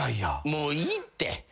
もういいって。